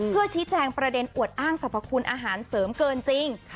เพื่อชี้แจงประเด็นอวดอ้างสรรพคุณอาหารเสริมเกินจริง